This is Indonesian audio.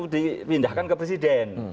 dipindahkan ke presiden